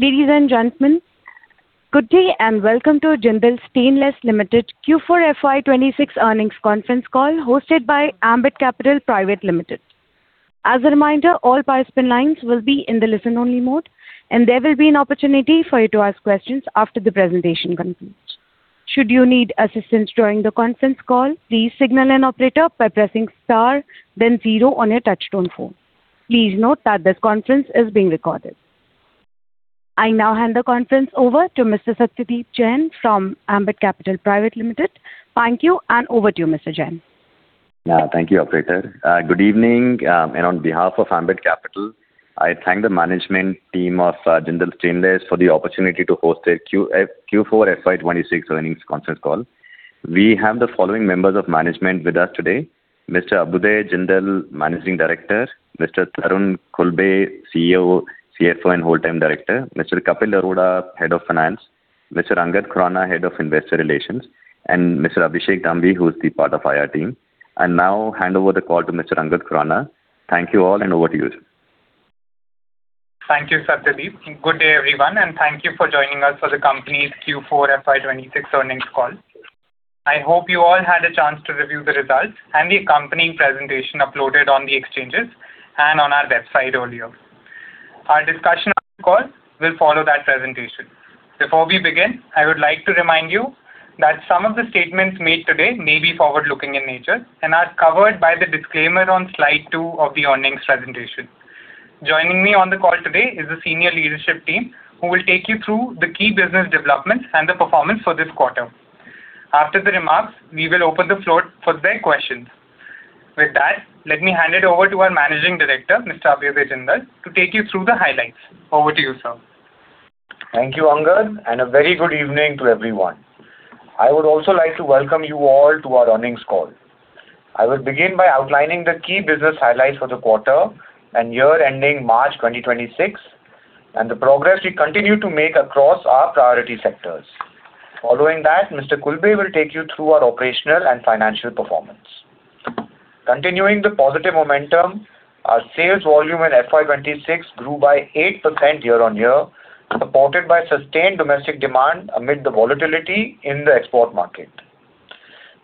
Ladies and gentlemen, good day and welcome to Jindal Stainless Limited Q4 FY 2026 earnings conference call hosted by Ambit Capital Private Limited. As a reminder, all participant lines will be in the listen-only mode, and there will be an opportunity for you to ask questions after the presentation concludes. Should you need assistance during the conference call, please signal an operator by pressing star then 0 on your touchtone phone. Please note that this conference is being recorded. I now hand the conference over to Mr. Satyadeep Jain from Ambit Capital Private Limited. Thank you. Over to you, Mr. Jain. Thank you, operator. Good evening, on behalf of Ambit Capital, I thank the management team of Jindal Stainless for the opportunity to host their Q4 FY 2026 earnings conference call. We have the following members of management with us today. Mr. Abhyuday Jindal, Managing Director. Mr. Tarun Khulbe, CEO, CFO, and Wholetime Director. Mr. Kapil Arora, Head of Finance. Mr. Angad Khurana, Head of Investor Relations, and Mr. Abhishek Tambi, who is the part of IR team. I now hand over the call to Mr. Angad Khurana. Thank you all, over to you. Thank you, Satyadeep. Good day, everyone, thank you for joining us for the company's Q4 FY 2026 earnings call. I hope you all had a chance to review the results and the accompanying presentation uploaded on the exchanges and on our website earlier. Our discussion on the call will follow that presentation. Before we begin, I would like to remind you that some of the statements made today may be forward-looking in nature and are covered by the disclaimer on slide two of the earnings presentation. Joining me on the call today is the senior leadership team, who will take you through the key business developments and the performance for this quarter. After the remarks, we will open the floor for their questions. With that, let me hand it over to our Managing Director, Mr. Abhyuday Jindal, to take you through the highlights. Over to you, sir. Thank you, Angad, and a very good evening to everyone. I would also like to welcome you all to our earnings call. I will begin by outlining the key business highlights for the quarter and year ending March 2026, and the progress we continue to make across our priority sectors. Following that, Mr. Khulbe will take you through our operational and financial performance. Continuing the positive momentum, our sales volume in FY 2026 grew by eight percent year-on-year, supported by sustained domestic demand amid the volatility in the export market.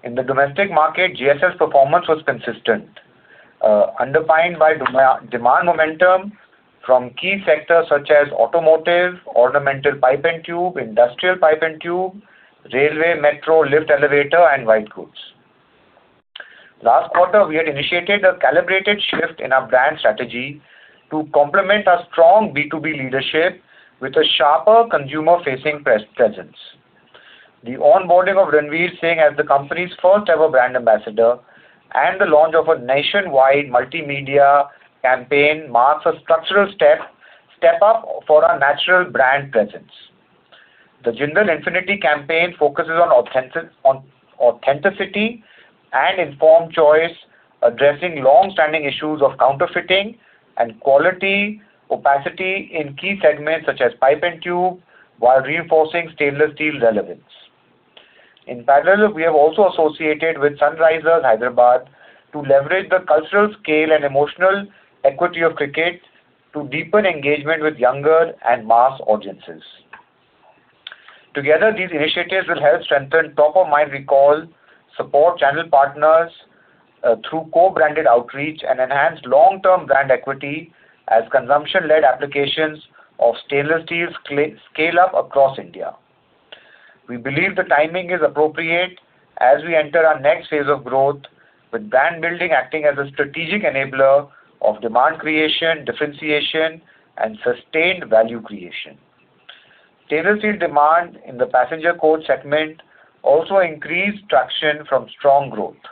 In the domestic market, JSL performance was consistent, underpinned by demand momentum from key sectors such as automotive, ornamental pipe and tube, industrial pipe and tube, railway, metro, lift elevator and white goods. Last quarter, we had initiated a calibrated shift in our brand strategy to complement our strong B2B leadership with a sharper consumer-facing presence. The onboarding of Ranveer Singh as the company's first-ever brand ambassador and the launch of a nationwide multimedia campaign marks a structural step up for our natural brand presence. The Jindal Infinity campaign focuses on authenticity and informed choice, addressing long-standing issues of counterfeiting and quality opacity in key segments such as pipe and tube, while reinforcing stainless steel relevance. In parallel, we have also associated with Sunrisers Hyderabad to leverage the cultural scale and emotional equity of cricket to deepen engagement with younger and mass audiences. Together, these initiatives will help strengthen top-of-mind recall, support channel partners through co-branded outreach, and enhance long-term brand equity as consumption-led applications of stainless steel scale up across India. We believe the timing is appropriate as we enter our next phase of growth, with brand building acting as a strategic enabler of demand creation, differentiation and sustained value creation. Stainless steel demand in the passenger coach segment also increased traction from strong growth.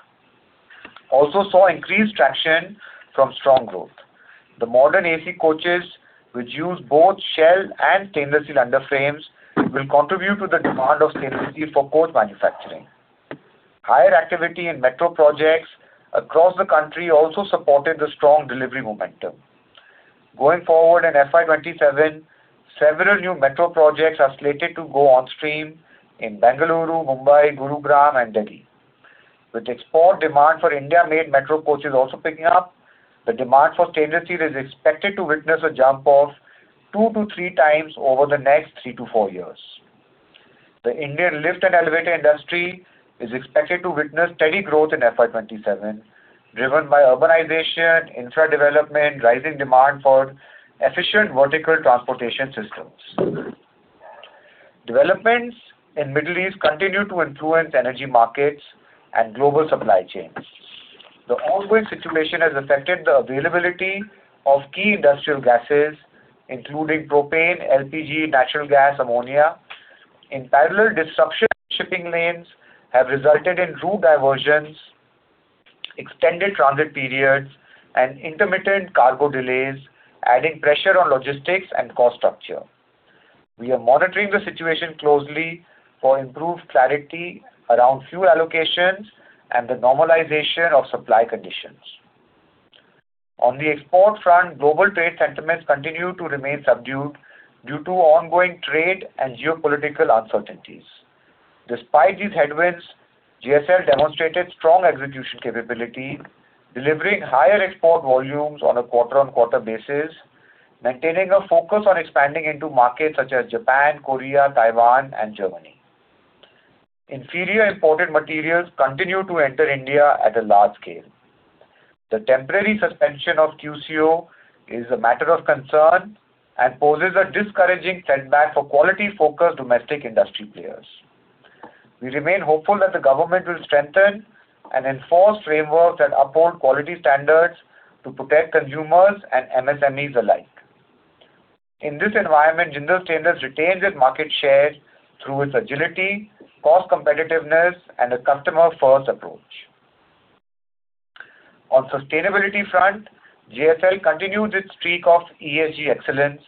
Also saw increased traction from strong growth. The modern AC coaches, which use both shell and stainless steel underframes, will contribute to the demand of stainless steel for coach manufacturing. Higher activity in metro projects across the country also supported the strong delivery momentum. Going forward in FY 2027, several new metro projects are slated to go on stream in Bengaluru, Mumbai, Gurugram and Delhi. With export demand for India-made metro coaches also picking up, the demand for stainless steel is expected to witness a jump of two to three times over the next three to four years. The Indian lift and elevator industry is expected to witness steady growth in FY 2027, driven by urbanization, infra development, rising demand for efficient vertical transportation systems. Developments in Middle East continue to influence energy markets and global supply chains. The ongoing situation has affected the availability of key industrial gases, including propane, LPG, natural gas, ammonia. In parallel, disruption in shipping lanes have resulted in route diversions, extended transit periods and intermittent cargo delays, adding pressure on logistics and cost structure. We are monitoring the situation closely for improved clarity around fuel allocations and the normalization of supply conditions. On the export front, global trade sentiments continue to remain subdued due to ongoing trade and geopolitical uncertainties. Despite these headwinds, JSL demonstrated strong execution capability, delivering higher export volumes on a quarter-on-quarter basis, maintaining a focus on expanding into markets such as Japan, Korea, Taiwan, and Germany. Inferior imported materials continue to enter India at a large scale. The temporary suspension of QCO is a matter of concern and poses a discouraging setback for quality-focused domestic industry players. We remain hopeful that the government will strengthen and enforce frameworks that uphold quality standards to protect consumers and MSMEs alike. In this environment, Jindal Stainless retains its market share through its agility, cost competitiveness, and a customer-first approach. On sustainability front, JSL continues its streak of ESG excellence,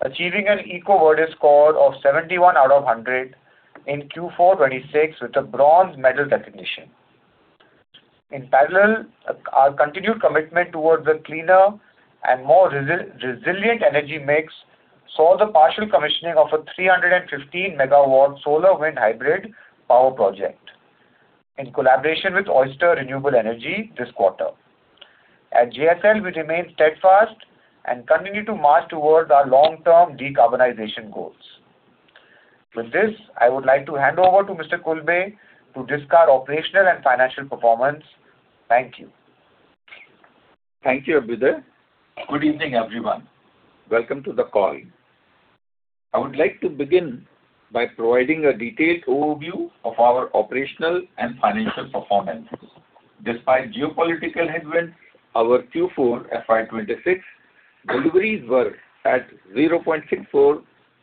achieving an EcoVadis score of 71 out of 100 in Q4 2026 with a bronze medal recognition. In parallel, our continued commitment towards a cleaner and more resilient energy mix saw the partial commissioning of a 315 MW solar wind hybrid power project in collaboration with Oyster Renewable Energy this quarter. At JSL, we remain steadfast and continue to march towards our long-term decarbonization goals. With this, I would like to hand over to Mr. Khulbe to discuss operational and financial performance. Thank you. Thank you, Abhyuday. Good evening, everyone. Welcome to the call. I would like to begin by providing a detailed overview of our operational and financial performance. Despite geopolitical headwinds, our Q4 FY26 deliveries were at 0.64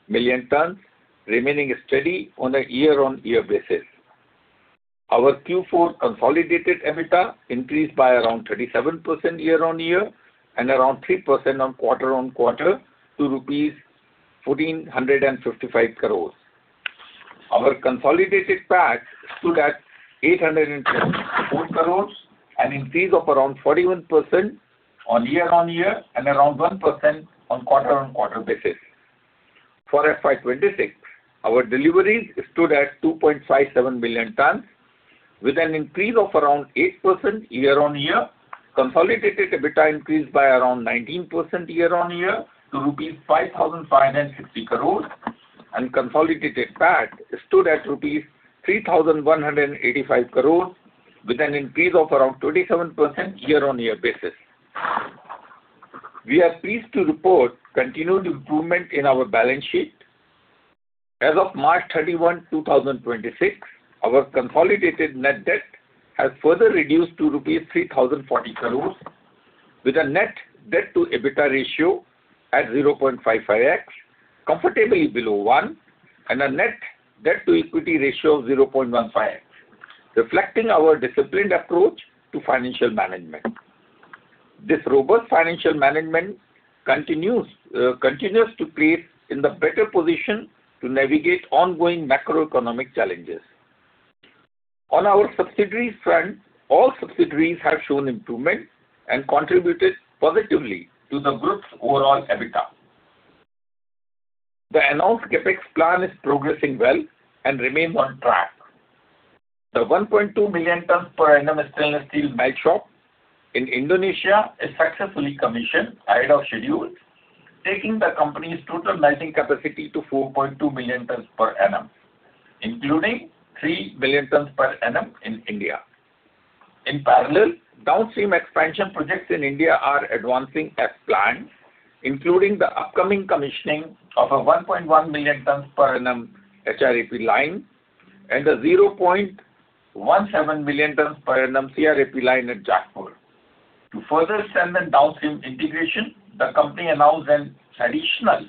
million tons, remaining steady on a year-on-year basis. Our Q4 consolidated EBITDA increased by around 37% year-on-year and around three percent quarter-on-quarter to rupees 1,455 crores. Our consolidated PAT stood at 804 crores, an increase of around 41% year-on-year and around one percent quarter-on-quarter basis. For FY26, our deliveries stood at 2.57 million tons with an increase of around eight percent year-on-year. Consolidated EBITDA increased by around 19% year-on-year to rupees 5,560 crores, and consolidated PAT stood at rupees 3,185 crores with an increase of around 27% year-on-year basis. We are pleased to report continued improvement in our balance sheet. As of March 31, 2026, our consolidated net debt has further reduced to rupees 3,040 crores with a net debt to EBITDA ratio at zero point five five x, comfortably below one, and a net debt to equity ratio of zero pint one five x, reflecting our disciplined approach to financial management. This robust financial management continues to place in the better position to navigate ongoing macroeconomic challenges. On our subsidiaries front, all subsidiaries have shown improvement and contributed positively to the group's overall EBITDA. The announced CapEx plan is progressing well and remains on track. The 1.2 million tons per annum stainless steel melt shop in Indonesia is successfully commissioned ahead of schedule, taking the company's total melting capacity to 4.2 million tons per annum, including 3 million tons per annum in India. In parallel, downstream expansion projects in India are advancing as planned, including the upcoming commissioning of a 1.1 million tons per annum HRAP line and a 0.17 million tons per annum CRAP line at Jajpur. To further strengthen downstream integration, the company announced an additional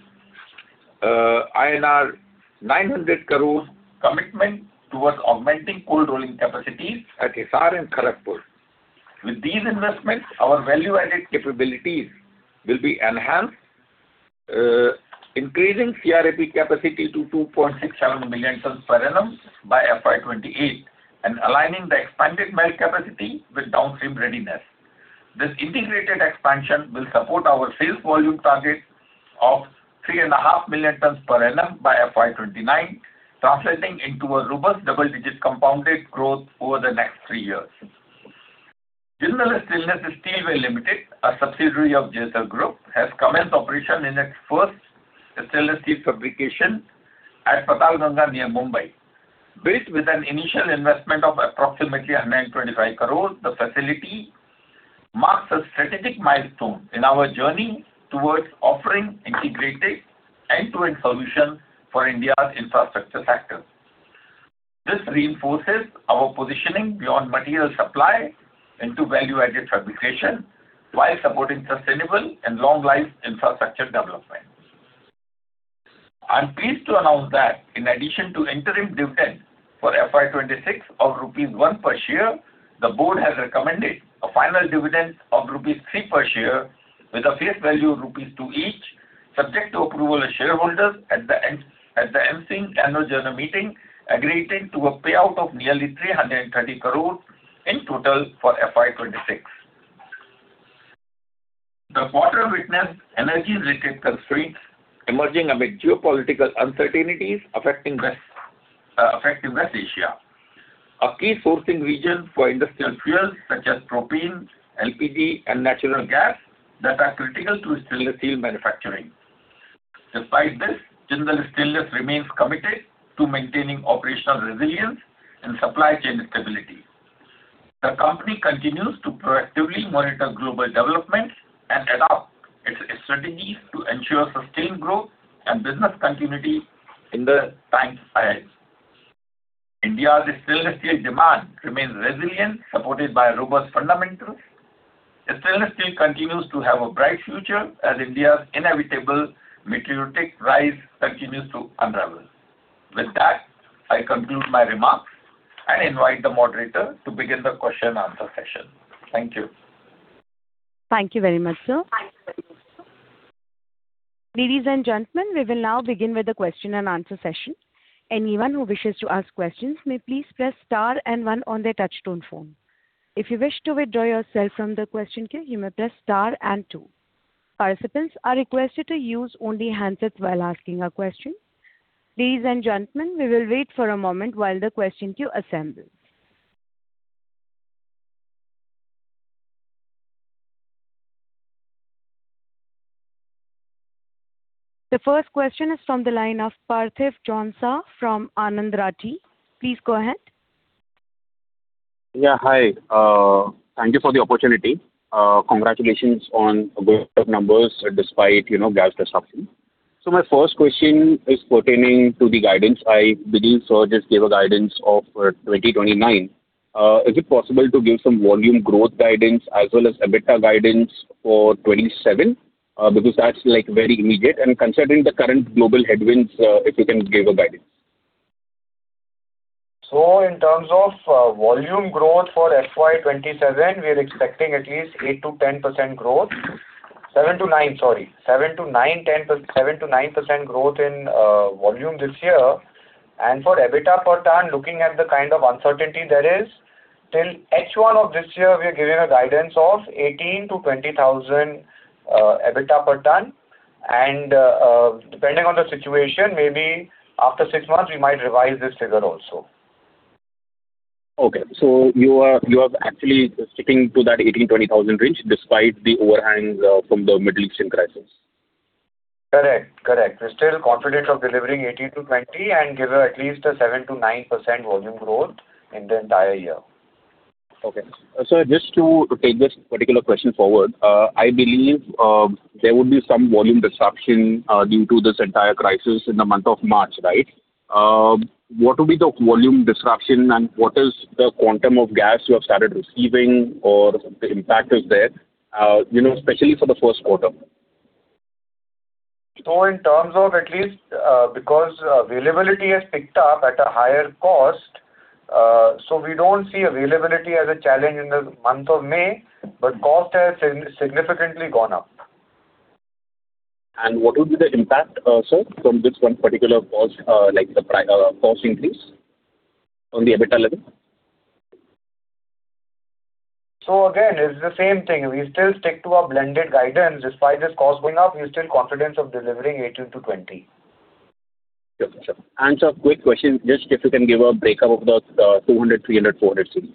INR 900 crores commitment towards augmenting cold rolling capacities at Hisar and Kharagpur. With these investments, our value-added capabilities will be enhanced, increasing CRAP capacity to 2.67 million tons per annum by FY 2028 and aligning the expanded mill capacity with downstream readiness. This integrated expansion will support our sales volume target of 3.5 million tons per annum by FY 2029, translating into a robust double-digit compounded growth over the next three years. Jindal Stainless Steelway Limited, a subsidiary of JSL Group, has commenced operation in its first stainless steel fabrication at Patalganga, near Mumbai. Built with an initial investment of approximately 25 crores, the facility marks a strategic milestone in our journey towards offering integrated end-to-end solution for India's infrastructure sector. This reinforces our positioning beyond material supply into value-added fabrication while supporting sustainable and long-life infrastructure development. I'm pleased to announce that in addition to interim dividend for FY 2026 of rupees 1 per share, the board has recommended a final dividend of rupees 3 per share with a face value of rupees 2 each, subject to approval of shareholders at the ensuing annual general meeting, aggregating to a payout of nearly 330 crores in total for FY 2026. The quarter witnessed energy-related constraints emerging amid geopolitical uncertainties affecting West Asia, a key sourcing region for industrial fuels such as propane, LPG, and natural gas that are critical to stainless steel manufacturing. Despite this, Jindal Stainless remains committed to maintaining operational resilience and supply chain stability. The company continues to proactively monitor global developments and adapt its strategies to ensure sustained growth and business continuity in the times ahead. India's stainless steel demand remains resilient, supported by robust fundamentals. The stainless steel continues to have a bright future as India's inevitable materialistic rise continues to unravel. With that, I conclude my remarks and invite the moderator to begin the question/answer session. Thank you. Thank you very much, sir. Ladies and gentlemen, we will now begin with the question-and-answer session. Anyone who wishes to ask questions may please press star and one on their touchtone phone. If you wish to withdraw yourself from the question queue, you may press star and two. Participants are requested to use only handsets while asking a question. Ladies and gentlemen, we will wait for a moment while the question queue assembles. The first question is from the line of Parthiv Jhonsa from Anand Rathi. Please go ahead. Yeah, hi. Thank you for the opportunity. Congratulations on good numbers despite, you know, gas disruption. My first question is pertaining to the guidance. I believe sir just gave a guidance of FY29. Is it possible to give some volume growth guidance as well as EBITDA guidance for FY27? Because that's, like, very immediate. Considering the current global headwinds, if you can give a guidance. In terms of volume growth for FY 2027, we are expecting at least eight to 10% growth. Seven to nine percent, sorry. seven to nine percent growth in volume this year. For EBITDA per ton, looking at the kind of uncertainty there is, till H1 of this year, we are giving a guidance of 18,000-20,000 EBITDA per ton. Depending on the situation, maybe after six months, we might revise this figure also. Okay. you are actually sticking to that 18,000-20,000 range despite the overhang from the Middle Eastern crisis? Correct. Correct. We're still confident of delivering 18%-20% and give at least a seven to nine percent volume growth in the entire year. Okay. Just to take this particular question forward, I believe there would be some volume disruption due to this entire crisis in the month of March, right? What will be the volume disruption, and what is the quantum of gas you have started receiving or the impact is there, you know, especially for the first quarter? In terms of at least, because availability has picked up at a higher cost, we don't see availability as a challenge in the month of May, but cost has significantly gone up. What will be the impact, sir, from this one particular cost, like the cost increase on the EBITDA level? Again, it's the same thing. We still stick to our blended guidance. Despite this cost going up, we're still confident of delivering 18 to 20. Sure, sure. Sir, quick question, just if you can give a breakup of the, 200, 300, 400 series.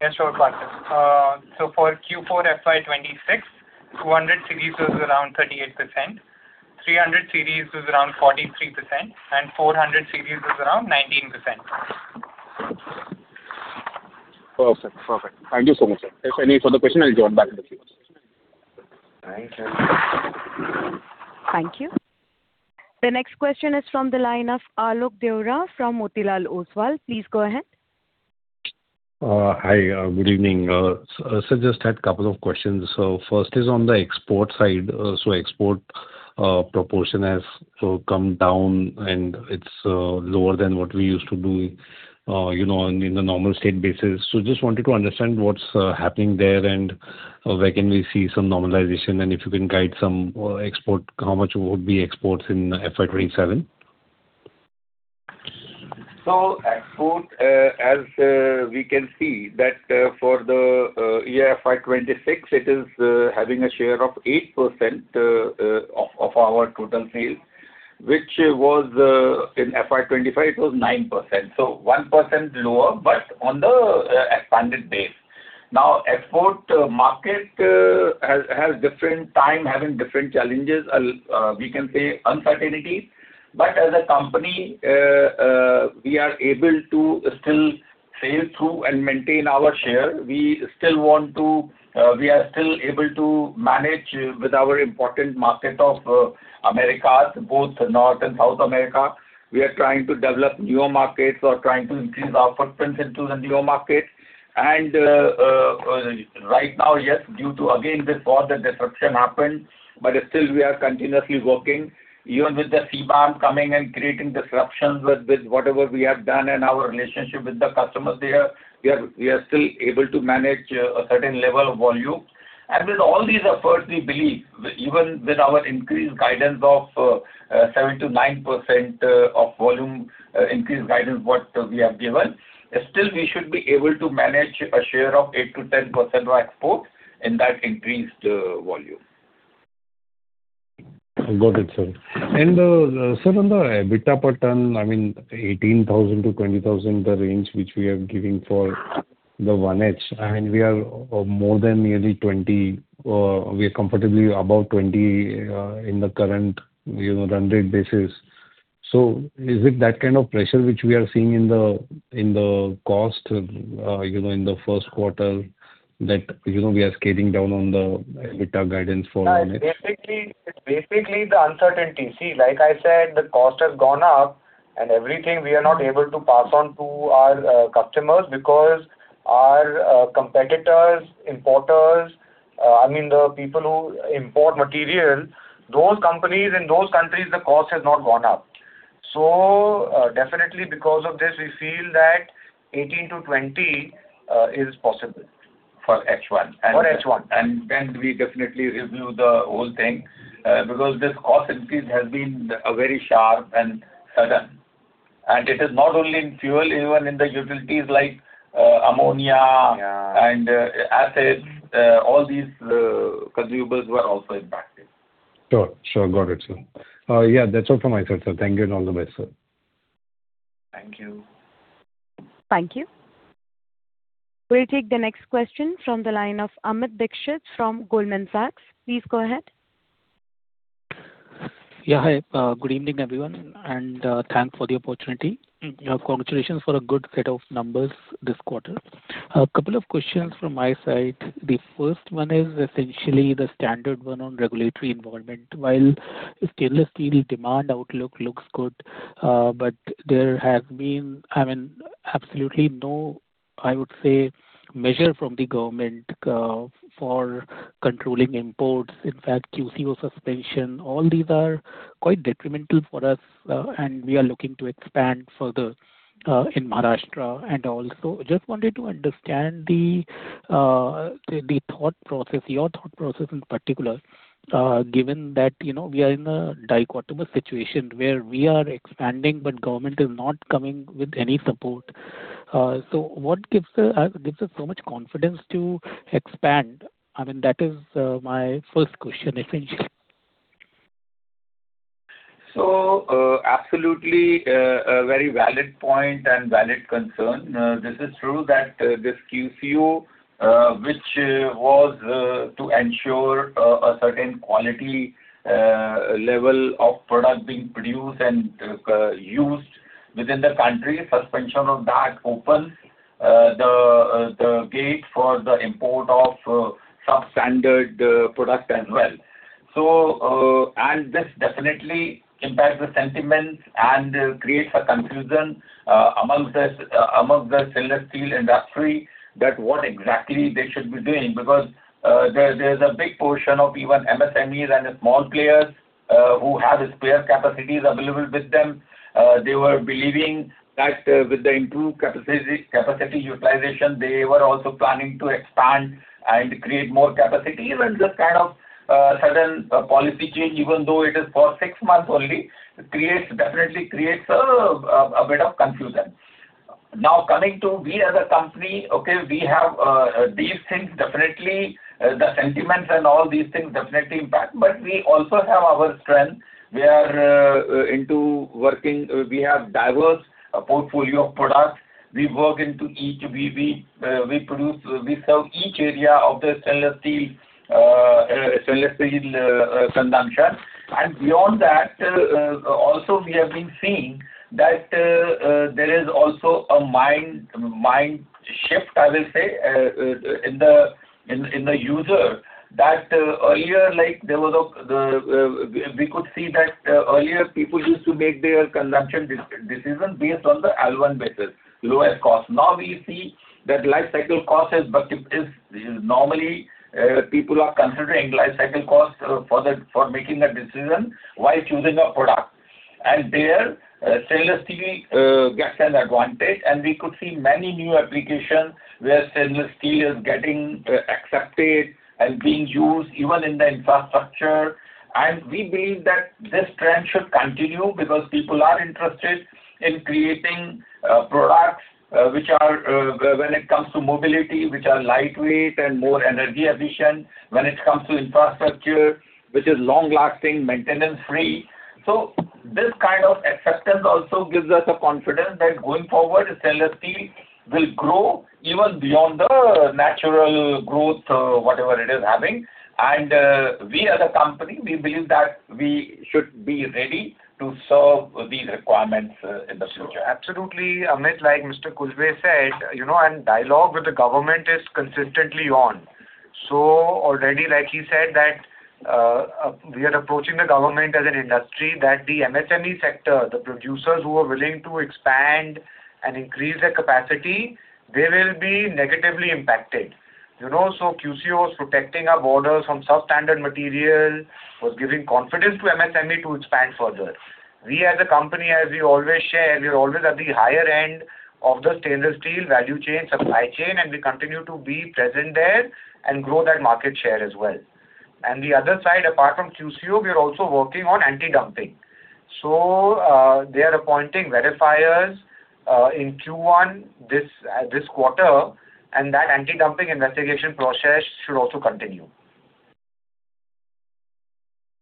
Yeah, sure, Parthiv. For Q four FY 2026, 200 series was around 38%, 300 series was around 43%, and 400 series was around 19%. Perfect. Perfect. Thank you so much, sir. If any further question, I'll join back with you. Thanks. Thank you. The next question is from the line of Alok Deora from Motilal Oswal. Please go ahead. Hi, good evening. Sir, just had couple of questions. First is on the export side. Export proportion has come down, and it's lower than what we used to do, you know, in the normal state basis. Just wanted to understand what's happening there and where can we see some normalization. If you can guide some export, how much would be exports in FY 2027. Export, as we can see that, for the year FY 2026, it is having a share of eight percent of our total sales, which was in FY 2025 it was nine percent, so one percent lower, but on the expanded base. Export market has different time, having different challenges, we can say uncertainties. As a company, we are able to still sail through and maintain our share. We are still able to manage with our important market of Americas, both North and South America. We are trying to develop newer markets. We are trying to increase our footprints into the newer markets. Right now, yes, due to, again, this war, the disruption happened, still we are continuously working. Even with the CBAM coming and creating disruptions with whatever we have done and our relationship with the customers there, we are still able to manage a certain level of volume. With all these efforts, we believe, even with our increased guidance of seven to nine percent of volume increased guidance what we have given, still we should be able to manage a share of eight to 10% of export in that increased volume. Got it, sir. sir, on the EBITDA per ton, I mean 18,000-20,000, the range which we are giving for the 1H, and we are more than nearly 20, we are comfortably above 20, in the current, you know, run rate basis. Is it that kind of pressure which we are seeing in the, in the cost, you know, in the first quarter that, you know, we are scaling down on the EBITDA guidance? No, it's basically the uncertainty. See, like I said, the cost has gone up, everything we are not able to pass on to our customers because our competitors, importers, I mean the people who import material, those companies in those countries, the cost has not gone up. Definitely because of this we feel that 18%-20% is possible. For H1? For H1. Then we definitely review the whole thing, because this cost increase has been very sharp and sudden. It is not only in fuel, even in the utilities like, ammonia. Yeah Acids, all these consumables were also impacted. Sure. Sure. Got it, sir. Yeah, that's all from my side, sir. Thank you and all the best, sir. Thank you. Thank you. We'll take the next question from the line of Amit Dixit from Goldman Sachs. Please go ahead. Yeah, hi. Good evening, everyone, and thanks for the opportunity. Congratulations for a good set of numbers this quarter. A couple of questions from my side. The first one is essentially the standard one on regulatory environment. While stainless steel demand outlook looks good, there has been, I mean, absolutely no, I would say, measure from the government for controlling imports. In fact, QCO suspension, all these are quite detrimental for us, and we are looking to expand further in Maharashtra. Also just wanted to understand the thought process, your thought process in particular, given that, you know, we are in a dichotomous situation where we are expanding, but government is not coming with any support. What gives us so much confidence to expand? I mean, that is my first question essentially. Absolutely, a very valid point and valid concern. This is true that this QCO which was to ensure a certain quality level of product being produced and used within the country. Suspension of that opens the gate for the import of substandard product as well. And this definitely impacts the sentiments and creates a confusion amongst us amongst the stainless steel industry that what exactly they should be doing because there's a big portion of even MSMEs and the small players who have spare capacities available with them. They were believing that with the improved capacity utilization, they were also planning to expand and create more capacity. Even this kind of sudden policy change, even though it is for six months only, creates, definitely creates a bit of confusion. Coming to we as a company, okay, we have these things definitely, the sentiments and all these things definitely impact, but we also have our strength. We are into working. We have diverse portfolio of products. We work into each. We, we produce, we serve each area of the stainless steel, stainless steel consumption. Beyond that, also we have been seeing that there is also a mind shift, I will say, in the user that earlier, like there was, we could see that earlier people used to make their consumption decision based on the L1 basis, lowest cost. We see that life cycle cost has. It is normally, people are considering life cycle cost, for the, for making the decision while choosing a product. There, stainless steel, gets an advantage. We could see many new applications where stainless steel is getting accepted and being used even in the infrastructure. We believe that this trend should continue because people are interested in creating products, which are, when it comes to mobility, which are lightweight and more energy efficient, when it comes to infrastructure which is long-lasting, maintenance-free. This kind of acceptance also gives us a confidence that going forward, stainless steel will grow even beyond the natural growth, whatever it is having. We as a company, we believe that we should be ready to serve these requirements, in the future. Absolutely, Amit, like Mr. Khulbe said, you know, Dialogue with the government is consistently on. Already, like he said, that we are approaching the government as an industry, that the MSMEs sector, the producers who are willing to expand and increase their capacity, they will be negatively impacted. You know, QCOs protecting our borders from substandard material was giving confidence to MSMEs to expand further. We as a company, as we always share, we are always at the higher end of the stainless steel value chain, supply chain, and we continue to be present there and grow that market share as well. The other side, apart from QCO, we are also working on anti-dumping. They are appointing verifiers in Q1 this quarter. That anti-dumping investigation process should also continue.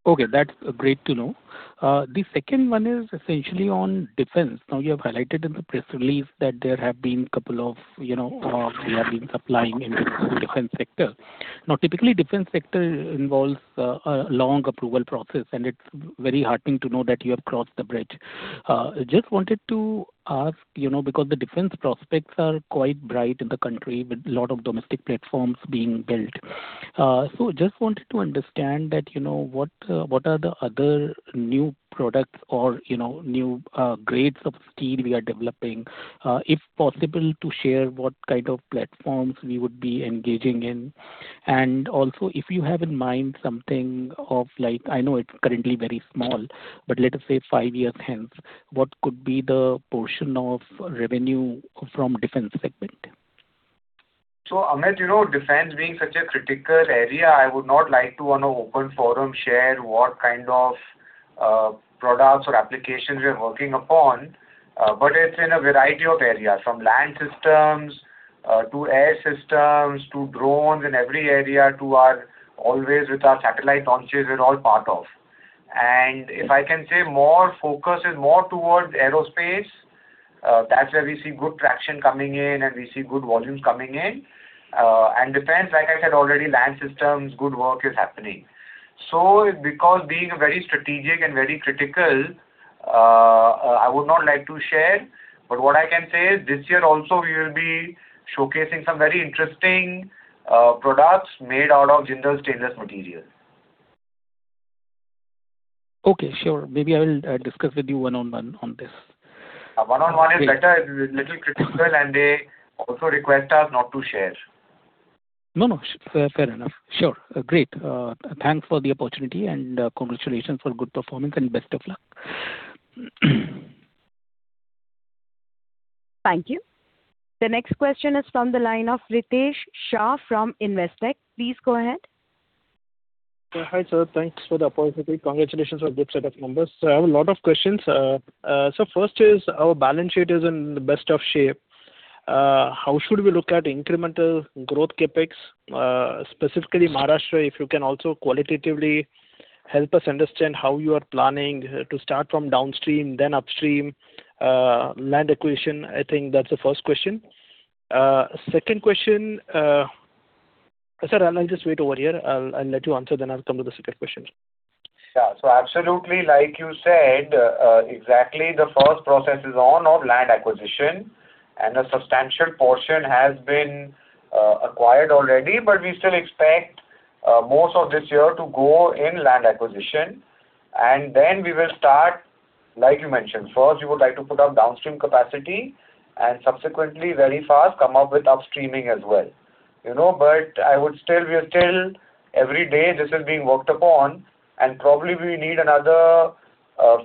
Okay. That's great to know. The second one is essentially on defense. Now, you have highlighted in the press release that there have been couple of, you know, we have been supplying in different sectors. Now, typically, defense sector involves a long approval process, and it's very heartening to know that you have crossed the bridge. Just wanted to ask, you know, because the defense prospects are quite bright in the country with a lot of domestic platforms being built. Just wanted to understand that, you know, what are the other new products or, you know, new grades of steel we are developing? If possible, to share what kind of platforms we would be engaging in. Also, if you have in mind something of like, I know it's currently very small, but let us say five years hence, what could be the portion of revenue from defense segment? Amit, you know, defense being such a critical area, I would not like to, on a open forum, share what kind of products or applications we are working upon. It's in a variety of areas, from land systems, to air systems, to drones in every area, to our always with our satellite launches, we're all part of. If I can say more focus is more towards aerospace, that's where we see good traction coming in and we see good volumes coming in. Defense, like I said already, land systems, good work is happening. Because being a very strategic and very critical, I would not like to share. What I can say is this year also we will be showcasing some very interesting products made out of Jindal Stainless materials. Okay, sure. Maybe I will discuss with you one-on-one on this. One-on-one is better. Great. It's a little critical, and they also request us not to share. No, no. Fair, fair enough. Sure. Great. Thanks for the opportunity and, congratulations for good performance and best of luck. Thank you. The next question is from the line of Ritesh Shah from Investec. Please go ahead. Hi, sir. Thanks for the opportunity. Congratulations on good set of numbers. I have a lot of questions. First is our balance sheet is in the best of shape. How should we look at incremental growth CapEx, specifically Maharashtra? If you can also qualitatively help us understand how you are planning to start from downstream, then upstream, land acquisition. I think that's the first question. Second question. Sir, I'll just wait over here. I'll let you answer then I'll come to the second question. Yeah. Absolutely, like you said, exactly the first process is on of land acquisition, and a substantial portion has been acquired already. We still expect most of this year to go in land acquisition. We will start, like you mentioned, first we would like to put up downstream capacity and subsequently very fast come up with upstreaming as well. You know, We are still, every day this is being worked upon, and probably we need another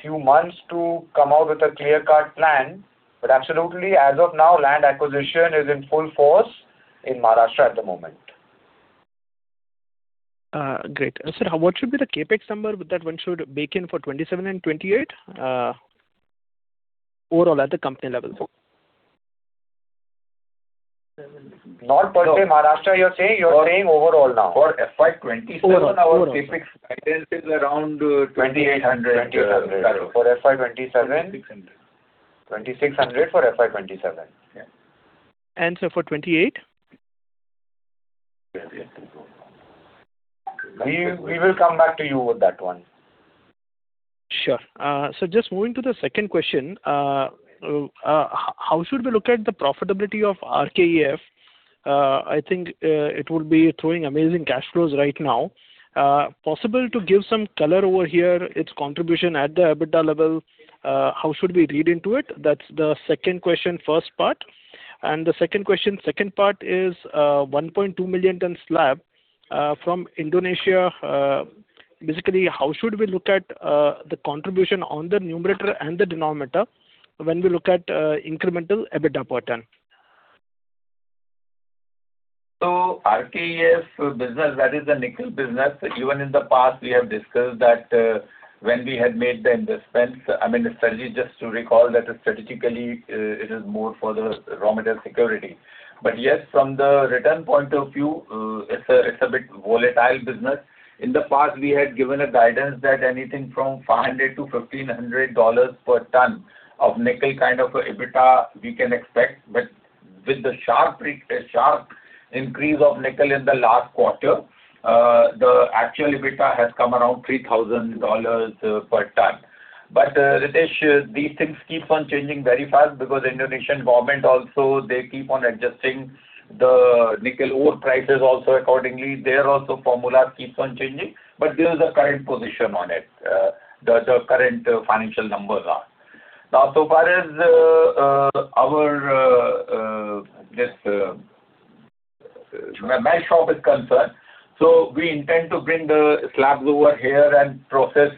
few months to come out with a clear-cut plan. Absolutely, as of now, land acquisition is in full force in Maharashtra at the moment. Great. Sir, what should be the CapEx number that one should bake in for FY 2027 and FY 2028, overall at the company level? Not per se Maharashtra you're saying. You're saying overall now. For FY 2027 our CapEx guidance is around INR 2,800. INR 2,800. Around. For FY 2027. 2,600. INR 2,600 for FY 2027. Yeah. Sir, for FY 2028? We have yet to go. We will come back to you with that one. Sure. Just moving to the second question. How should we look at the profitability of RKEF? I think it would be throwing amazing cash flows right now. Possible to give some color over here, its contribution at the EBITDA level, how should we read into it? That's the second question, first part. The second question, second part is, 1.2 million ton slab from Indonesia. Basically, how should we look at the contribution on the numerator and the denominator when we look at incremental EBITDA per ton? RKEF business, that is the nickel business. Even in the past we have discussed that, when we had made the investments, I mean, the strategy just to recall that strategically, it is more for the raw material security. Yes, from the return point of view, it's a bit volatile business. In the past we had given a guidance that anything from $500-$1,500 per ton of nickel kind of a EBITDA we can expect. With the sharp increase of nickel in the last quarter, the actual EBITDA has come around $3,000 per ton. Ritesh, these things keeps on changing very fast because Indonesian government also, they keep on adjusting the nickel ore prices also accordingly. Their also formula keeps on changing. This is the current position on it, the current financial numbers are. Now, so far as, our, this, melt shop is concerned, so we intend to bring the slabs over here and process,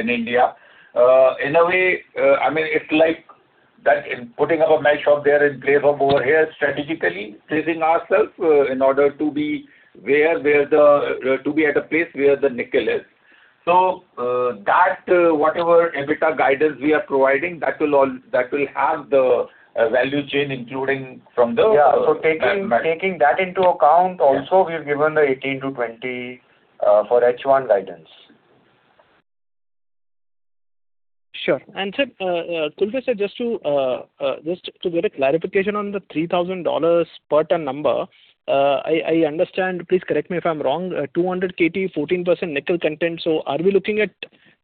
in India. In a way. That in putting up a mesh up there in place of over here strategically placing ourselves in order to be where the nickel is. Whatever EBITDA guidance we are providing that will have the value chain including from the. Yeah. Taking that into account also we've given the 18%-20% for H1 guidance. Sure. Sir, Tarun Khulbe sir just to get a clarification on the $3,000 per ton number. I understand, please correct me if I'm wrong, 200 KT 14% nickel content. So are we looking at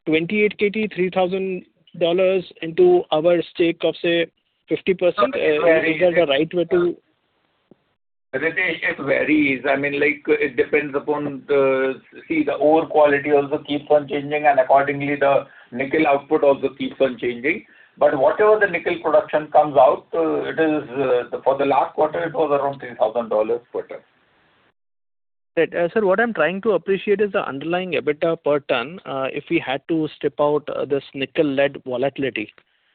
28 KT $3,000 into our stake of, say, 50%? Is that the right way to? Ritesh, it varies. I mean, like, it depends upon the ore quality also keeps on changing, and accordingly the nickel output also keeps on changing. Whatever the nickel production comes out, for the last quarter it was around $3,000 per ton. Right. sir, what I'm trying to appreciate is the underlying EBITDA per ton, if we had to strip out this nickel-led volatility.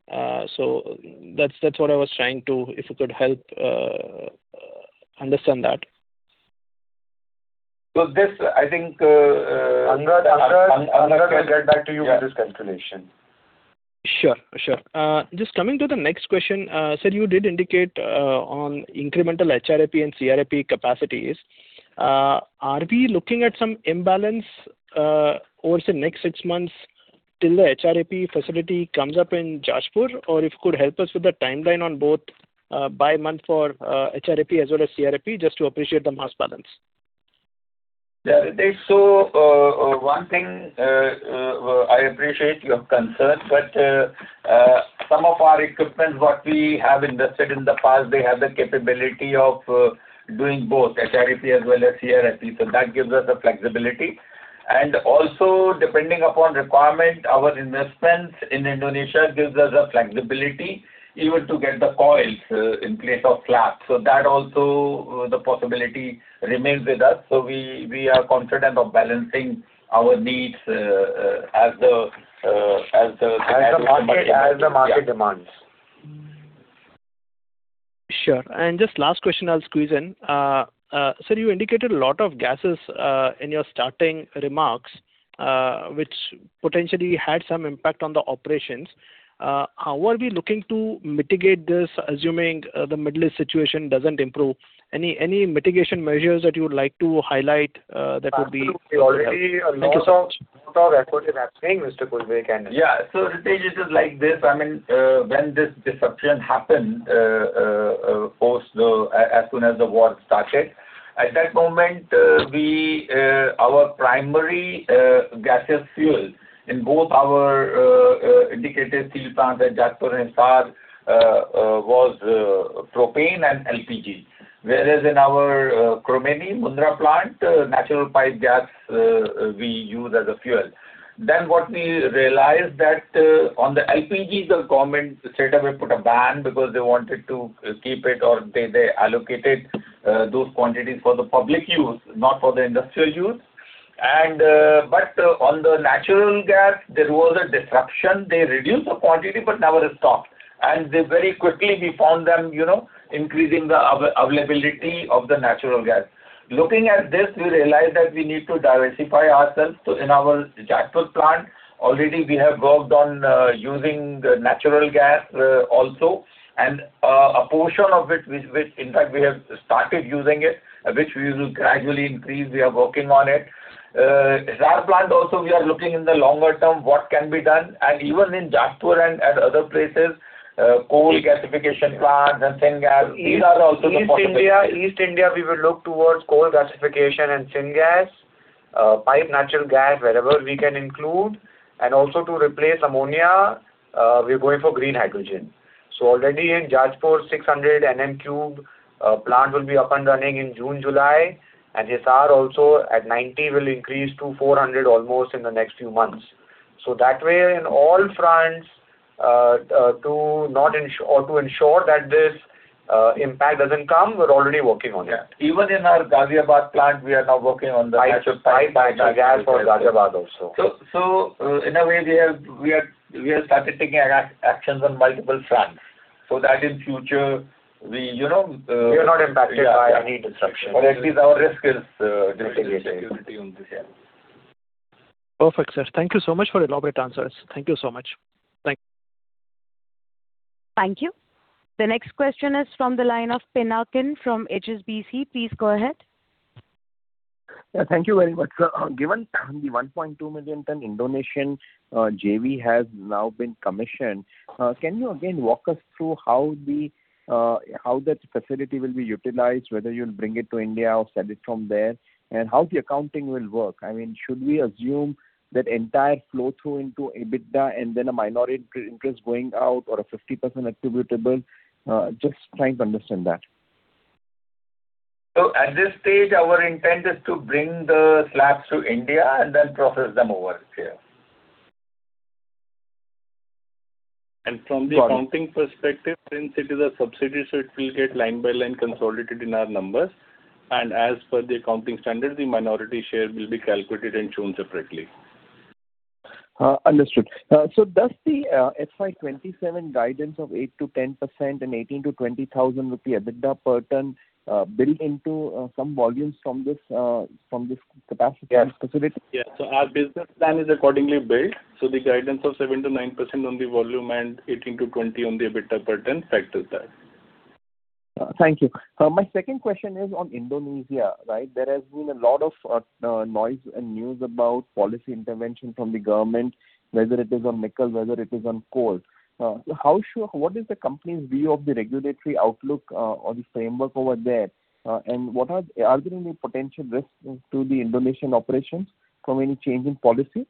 That's what I was trying to If you could help, understand that. So this I think, Angad Khurana will get back to you with this calculation. Sure. Sure. Just coming to the next question. Sir, you did indicate on incremental HRAP and CRAP capacities. Are we looking at some imbalance over the next six months till the HRAP facility comes up in Jajpur? Or if you could help us with the timeline on both by month for HRAP as well as CRAP, just to appreciate the mass balance. One thing, I appreciate your concern, but, some of our equipment what we have invested in the past they have the capability of, doing both HRAP as well as CRAP. That gives us the flexibility. Also depending upon requirement, our investments in Indonesia gives us the flexibility even to get the coils, in place of slab. That also, the possibility remains with us. We are confident of balancing our needs, as the- As the market demands. Sure. Just last question I'll squeeze in. Sir, you indicated a lot of gases in your starting remarks, which potentially had some impact on the operations. How are we looking to mitigate this assuming the Middle East situation doesn't improve? Any mitigation measures that you would like to highlight, that would be- Absolutely. Already a lot of effort is happening, Mr. Khulbe, Kenneth. Ritesh, it is like this. When this disruption happened, as soon as the war started, at that moment, we, our primary gaseous fuel in both our integrated steel plant at Jajpur and Visakhapatnam, was propane and LPG. Whereas in our Chromeni Mundra plant, natural piped gas we use as a fuel. What we realized that on the LPG the government, the state government put a ban because they wanted to keep it or they allocated those quantities for the public use, not for the industrial use. On the natural gas there was a disruption. They reduced the quantity, but never stopped. They very quickly we found them, you know, increasing the availability of the natural gas. Looking at this we realized that we need to diversify ourselves. In our Jajpur plant already we have worked on using the natural gas also. A portion of it which in fact we have started using it, which we will gradually increase. We are working on it. Visakhapatnam plant also we are looking in the longer term what can be done. Even in Jajpur and at other places, coal gasification plants and syngas, these are also the possibilities. East India, East India we will look towards coal gasification and syngas. pipe natural gas wherever we can include. Also to replace ammonia, we're going for green hydrogen. Already in Jajpur 600 MM cube plant will be up and running in June, July. Visakhapatnam also at 90 will increase to 400 almost in the next few months. That way in all fronts, to not ensure or to ensure that this impact doesn't come, we're already working on it. Yeah. Even in our Ghaziabad plant we are now working on the natural piped gas. Pipe natural gas for Ghaziabad also. In a way we have started taking actions on multiple fronts so that in future we, you know. We are not impacted by any disruption. At least our risk is mitigated. There's a security on this. Yeah. Perfect, sir. Thank you so much for elaborate answers. Thank you so much. Thank you. Thank you. The next question is from the line of Pinakin from HSBC. Please go ahead. Yeah. Thank you very much. Given the 1.2 million ton Indonesian JV has now been commissioned, can you again walk us through how that facility will be utilized, whether you'll bring it to India or sell it from there? How the accounting will work. I mean, should we assume that entire flow-through into EBITDA and then a minority interest going out or a 50% attributable? Just trying to understand that. At this stage our intent is to bring the slabs to India and then process them over here. From the accounting perspective, since it is a subsidiary, so it will get line by line consolidated in our numbers. As per the accounting standard, the minority share will be calculated and shown separately. Understood. Does the FY 2027 guidance of eight to 10% and 18,000-20,000 rupees EBITDA per ton build into some volumes from this capacity facility? Our business plan is accordingly built. The guidance of seven to nine percent on the volume and 18-20 on the EBITDA per ton factors that. Thank you. My second question is on Indonesia, right? There has been a lot of noise and news about policy intervention from the government, whether it is on nickel, whether it is on coal. What is the company's view of the regulatory outlook or the framework over there? Are there any potential risks to the Indonesian operations from any change in policy?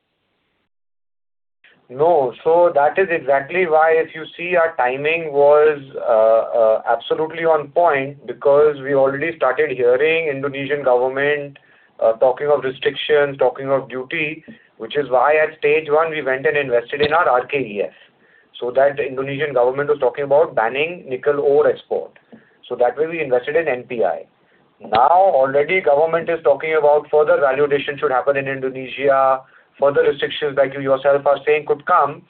That is exactly why if you see our timing was absolutely on point because we already started hearing Indonesian government talking of restrictions, talking of duty, which is why at stage 1 we went and invested in our RKEF. That the Indonesian government was talking about banning nickel ore export, that way we invested in NPI. Already government is talking about further valuation should happen in Indonesia, further restrictions that you yourself are saying could come,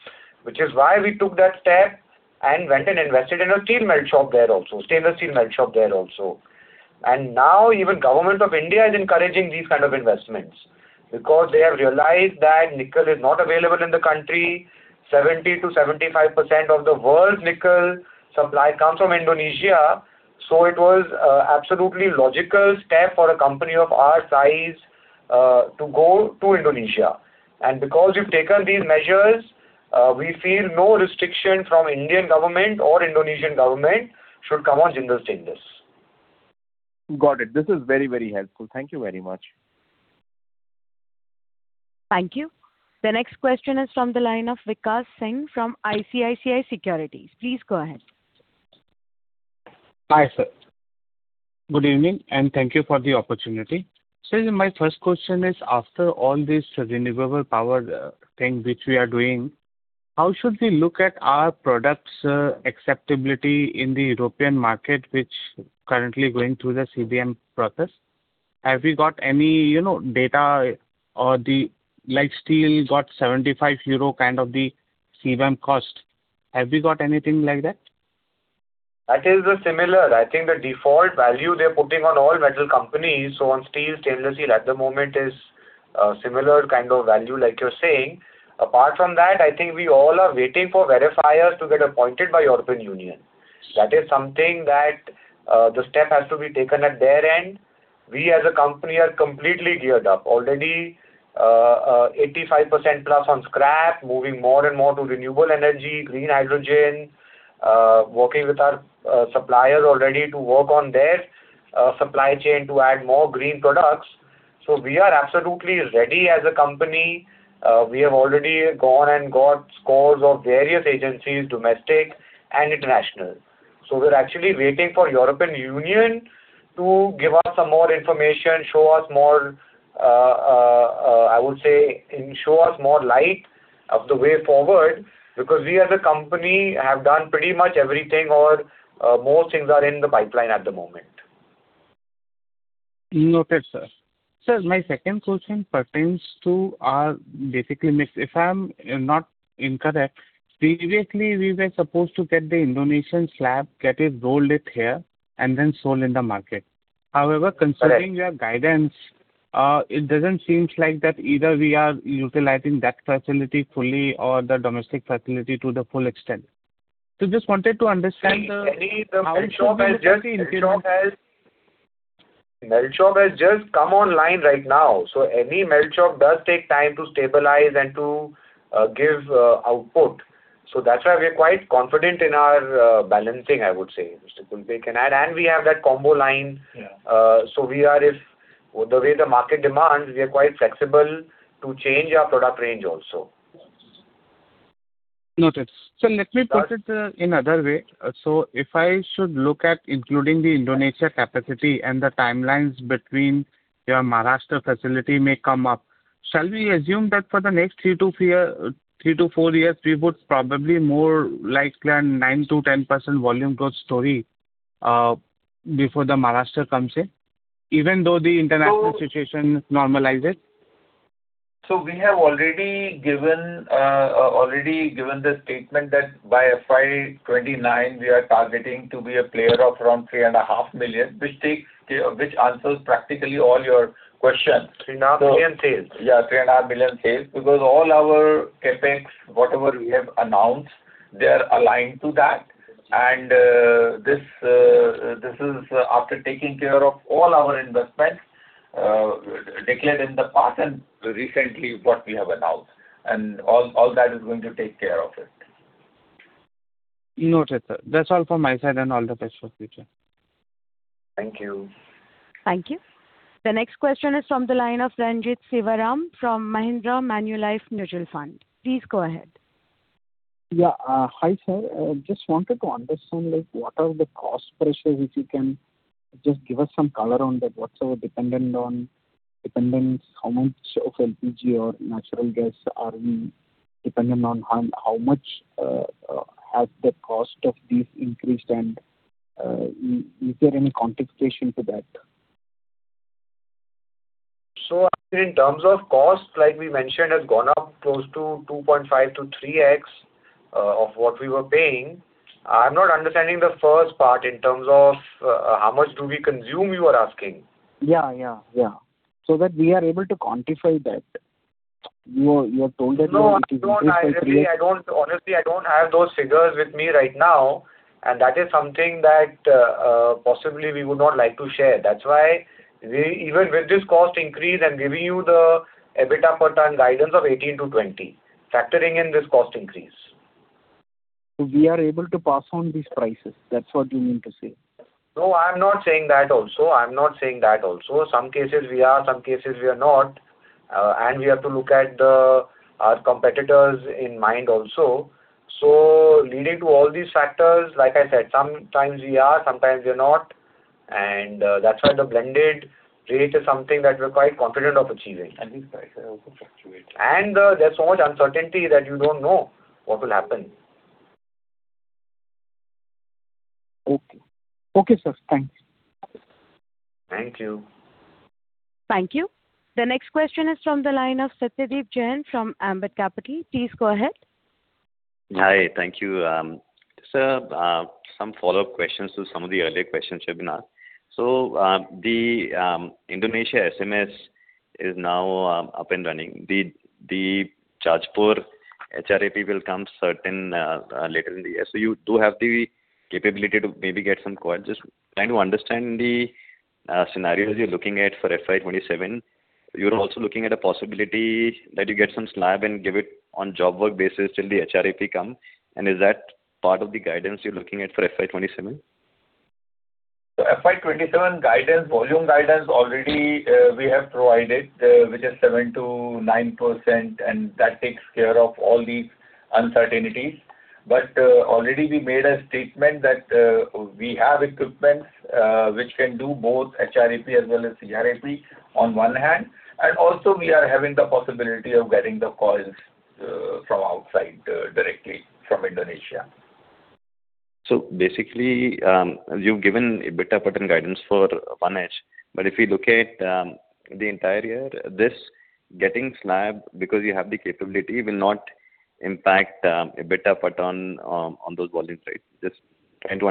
which is why we took that step and went and invested in a steel melt shop there also, stainless steel melt shop there also. Even Government of India is encouraging these kind of investments because they have realized that nickel is not available in the country. 70% to 75% of the world's nickel supply comes from Indonesia, so it was absolutely logical step for a company of our size to go to Indonesia. Because we've taken these measures, we feel no restriction from Indian government or Indonesian government should come on Jindal Stainless. Got it. This is very, very helpful. Thank you very much. Thank you. The next question is from the line of Vikas Singh from ICICI Securities. Please go ahead. Hi, sir. Good evening, and thank you for the opportunity. Sir, my first question is, after all this renewable power, thing which we are doing, how should we look at our products, acceptability in the European market, which currently going through the CBAM process? Have you got any, you know, data or the like steel got 75 euro kind of the CBAM cost? Have you got anything like that? That is the similar. I think the default value they're putting on all metal companies, so on steel, stainless steel at the moment is similar kind of value like you're saying. I think we all are waiting for verifiers to get appointed by European Union. That is something that the step has to be taken at their end. We as a company are completely geared up. Already, 85% plus on scrap, moving more and more to renewable energy, green hydrogen, working with our supplier already to work on their supply chain to add more green products. We are absolutely ready as a company. We have already gone and got scores of various agencies, domestic and international. We're actually waiting for European Union to give us some more information, show us more, I would say, show us more light of the way forward, because we as a company have done pretty much everything or, most things are in the pipeline at the moment. Noted, sir. Sir, my second question pertains to our basically mix. If I'm not incorrect, previously we were supposed to get the Indonesian slab, get it rolled here, and then sold in the market. Correct. considering your guidance, it doesn't seems like that either we are utilizing that facility fully or the domestic facility to the full extent. Just wanted to understand the how it should be looking into. Melt shop has just come online right now. Any melt shop does take time to stabilize and to give output. That's why we are quite confident in our balancing, I would say, Mr. Khulbe can add. We have that combo line. Yeah. The way the market demands, we are quite flexible to change our product range also. Noted. Sir, let me put it in other way. If I should look at including the Indonesia capacity and the timelines between your Maharashtra facility may come up, shall we assume that for the next three to four years we would probably more likely on nine to 10% volume growth story before the Maharashtra comes in, even though the international situation normalizes? We have already given the statement that by FY 2029 we are targeting to be a player of around 3.5 million, which takes, which answers practically all your questions. Three and a half million sales. Yeah, three and a half million sales. All our CapEx, whatever we have announced, they're aligned to that. This is after taking care of all our investments, declared in the past and recently what we have announced, all that is going to take care of it. Noted, sir. That's all from my side, and all the best for future. Thank you. Thank you. The next question is from the line of Renjith Sivaram from Mahindra Manulife Mutual Fund. Please go ahead. Yeah. Hi, sir. Just wanted to understand, like, what are the cost pressures, if you can just give us some color on that, whatsoever dependent on, dependence how much of LPG or natural gas are we dependent on, and how much has the cost of these increased? Is there any compensation to that? In terms of cost, like we mentioned, has gone up close to two point five to three x of what we were paying. I'm not understanding the first part in terms of how much do we consume you are asking? Yeah. That we are able to quantify that. You have told that. No, no. I really, honestly, I don't have those figures with me right now. That is something that possibly we would not like to share. That's why we even with this cost increase, I'm giving you the EBITDA per ton guidance of 18 to 20, factoring in this cost increase. We are able to pass on these prices. That's what you mean to say. No, I'm not saying that also. I'm not saying that also. Some cases we are, some cases we are not. We have to look at our competitors in mind also. Leading to all these factors, like I said, sometimes we are, sometimes we are not, and that's why the blended rate is something that we're quite confident of achieving. These prices also fluctuate. There's so much uncertainty that you don't know what will happen. Okay. Okay, sir. Thanks. Thank you. Thank you. The next question is from the line of Satyadeep Jain from Ambit Capital. Please go ahead. Hi. Thank you. Sir, some follow-up questions to some of the earlier questions which have been asked. The Indonesia SMS is now up and running. The Jajpur HRAP will come certain later in the year. You do have the capability to maybe get some coils. Just trying to understand the scenarios you're looking at for FY 2027. You're also looking at a possibility that you get some slab and give it on job work basis till the HRAP come, and is that part of the guidance you're looking at for FY 2027? FY 2027 guidance, volume guidance already, we have provided, which is seven to nine percent, and that takes care of all these uncertainties. Already we made a statement that we have equipments, which can do both HRAP as well as CRAP on one hand, and also we are having the possibility of getting the coils from outside directly from Indonesia. Basically, you've given EBITDA per ton guidance for 1H. If you look at the entire year, this getting slab because you have the capability will not impact EBITDA per ton on those volumes, right?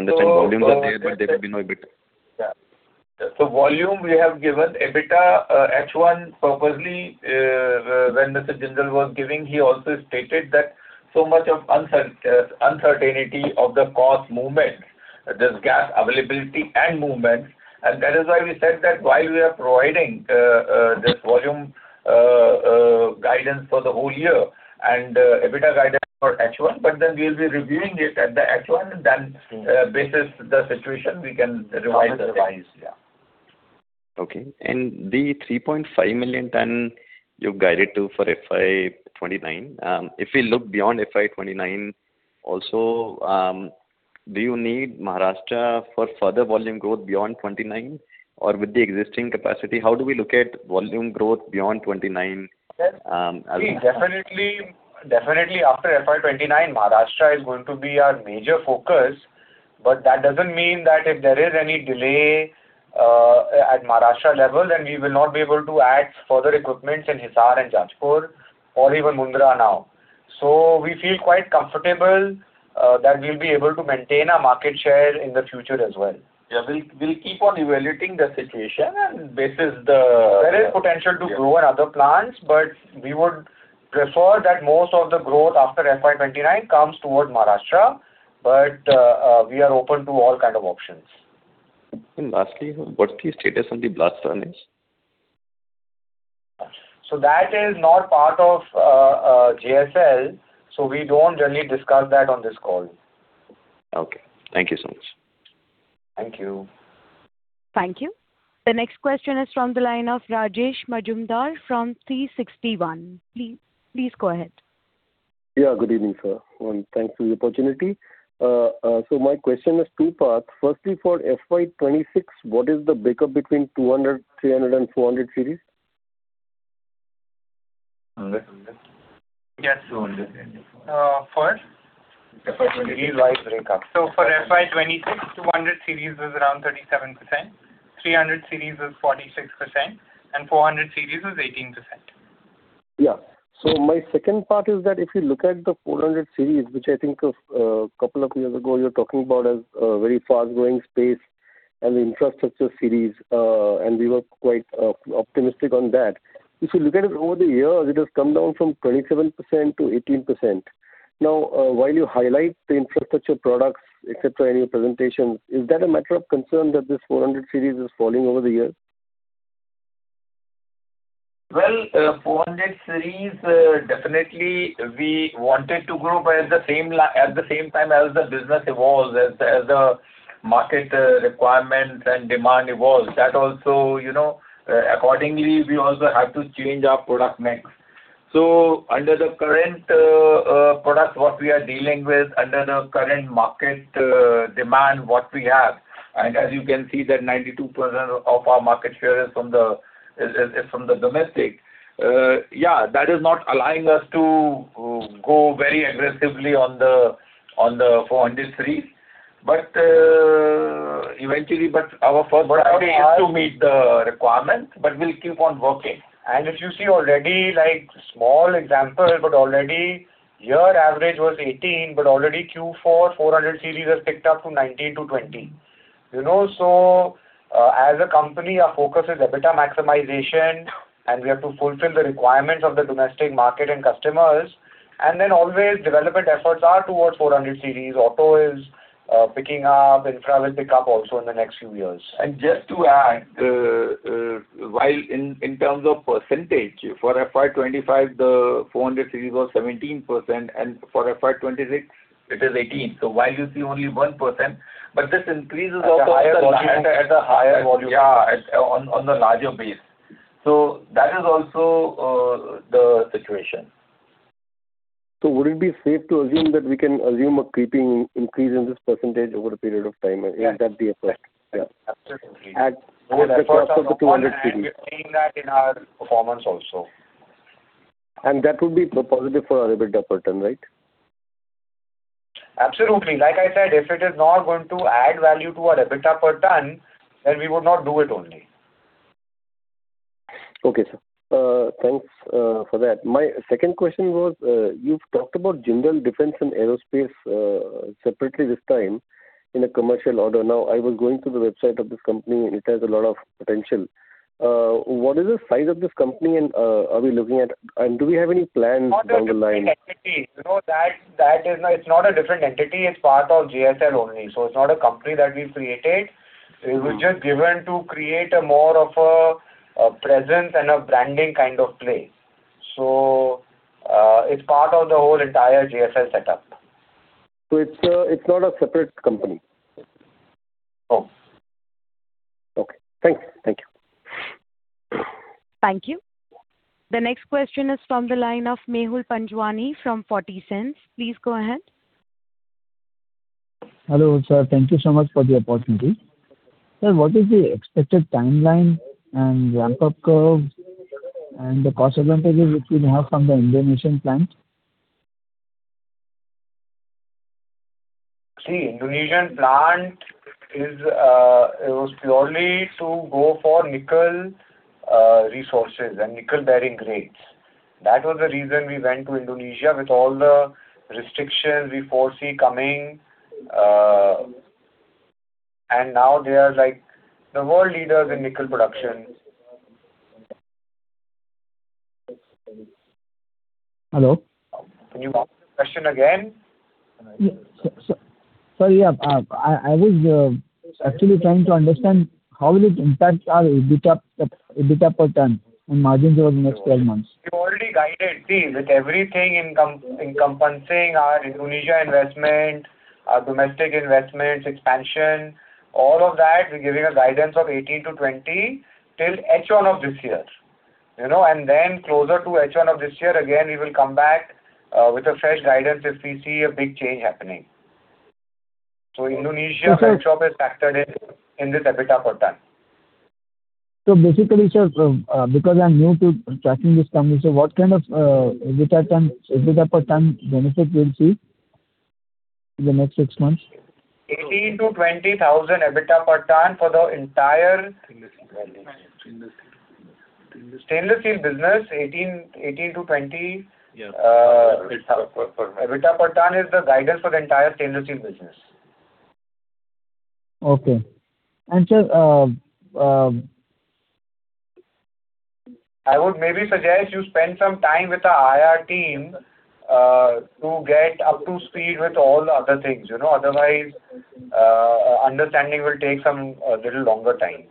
Volume we have given. EBITDA, H1 purposely, when Mr. Jindal was giving, he also stated that so much of uncertainty of the cost movement. There's gas availability and movement. That is why we said that while we are providing this volume guidance for the whole year and EBITDA guidance for H1, but then we'll be reviewing it at the H1, then, basis the situation we can revise the same. Okay. The 3.5 million tons you've guided to for FY 2029, if we look beyond FY 2029 also, do you need Maharashtra for further volume growth beyond 2029? Or with the existing capacity, how do we look at volume growth beyond 2029? Definitely after FY 2029, Maharashtra is going to be our major focus. That doesn't mean that if there is any delay at Maharashtra level, then we will not be able to add further equipments in Hisar and Jajpur or even Mundra now. We feel quite comfortable that we'll be able to maintain our market share in the future as well. Yeah. We'll keep on evaluating the situation and basis the- There is potential to grow in other plants, but we would prefer that most of the growth after FY 2029 comes toward Maharashtra. We are open to all kind of options. Lastly, what's the status on the blast furnace? That is not part of JSL, so we don't really discuss that on this call. Okay. Thank you so much. Thank you. Thank you. The next question is from the line of Rajesh Majumdar from 360 ONE. Please go ahead. Yeah, good evening, sir, and thanks for the opportunity. My question is two parts. Firstly, for FY 2026, what is the breakup between 200 series, 300 series and 400 series? Yes. 200. For? FY 2026 breakup. For FY 2026, 200 series is around 37%, 300 series is 46% and 400 series is 18%. Yeah. My second part is that if you look at the 400 series, which I think a couple of years ago you were talking about as a very fast-growing space and infrastructure series, and we were quite optimistic on that. If you look at it over the years, it has come down from 27% to 18%. Now, while you highlight the infrastructure products, et cetera, in your presentation, is that a matter of concern that this 400 series is falling over the years? Well, 400 series, definitely we wanted to grow, but at the same time as the business evolves, as the market requirements and demand evolves. That also, you know, accordingly, we also have to change our product mix. Under the current product what we are dealing with, under the current market demand what we have, and as you can see that 92% of our market share is from the domestic. Yeah, that is not allowing us to go very aggressively on the 400 series. eventually our first priority is. Our aim is to meet the requirements, but we'll keep on working. If you see already, like, small example, but already year average was 18, but already Q4 400 series has picked up from 19 to 20. You know, as a company, our focus is EBITDA maximization, and we have to fulfill the requirements of the domestic market and customers. Always development efforts are towards 400 series. Auto is picking up. Infra will pick up also in the next few years. Just to add, while in terms of percentage, for FY 2025 the 400 series was 17%, and for FY 2026 it is 18%. While you see only one percent, but this increases also. At a higher volume. Yeah, on the larger base. That is also the situation. Would it be safe to assume that we can assume a creeping increase in this percentage over a period of time? Yes. Is that the effect? Yeah. Absolutely. At the cost of the 200 series. We're seeing that in our performance also. That would be positive for our EBITDA per ton, right? Absolutely. Like I said, if it is not going to add value to our EBITDA per ton, then we would not do it only. Okay, sir. Thanks for that. My second question was, you've talked about Jindal Defence & Aerospace separately this time in a commercial order. I was going through the website of this company, and it has a lot of potential. What is the size of this company and, do we have any plans down the line? It's not a different entity. You know, It's not a different entity. It's part of JSL only. It's not a company that we've created. It was just given to create a more of a presence and a branding kind of play. It's part of the whole entire JSL setup. It's not a separate company. No. Okay. Thanks. Thank you. Thank you. The next question is from the line of Mehul Panjwani from 40 Cents. Please go ahead. Hello, sir. Thank you so much for the opportunity. Sir, what is the expected timeline and ramp-up curve and the cost advantages which we may have from the Indonesian plant? Indonesian plant was purely to go for nickel resources and nickel-bearing grades. That was the reason we went to Indonesia with all the restrictions we foresee coming. Now they are, like, the world leaders in nickel production. Hello? Can you ask the question again? Yeah. I was actually trying to understand how will it impact our EBITDA per ton and margins over the next 12 months. We've already guided, see, with everything encompassing our Indonesia investment, our domestic investments, expansion, all of that, we're giving a guidance of 18-20 till H1 of this year. You know, closer to H1 of this year, again, we will come back with a fresh guidance if we see a big change happening. Indonesia workshop is factored in this EBITDA per ton. Basically, sir, because I'm new to tracking this company, so what kind of EBITDA per ton benefit we'll see in the next six months? 18,000-20,000 EBITDA per ton for the entire-. Stainless steel. Stainless steel business, 18-20. Yeah. EBITDA per ton is the guidance for the entire stainless steel business. Okay. sir, I would maybe suggest you spend some time with the IR team, to get up to speed with all the other things, you know. Otherwise, understanding will take a little longer time.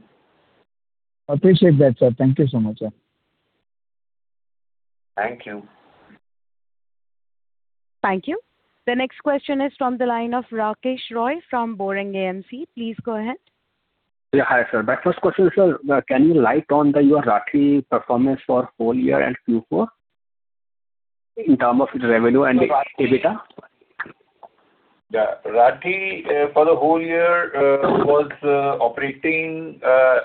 Appreciate that, sir. Thank you so much, sir. Thank you. Thank you. The next question is from the line of Rakesh Roy from Boring AMC. Please go ahead. Hi, sir. My first question, sir, can you light on the your Rathi performance for whole year and Q4 in term of its revenue and EBITDA? The Rathi, for the whole year, was operating,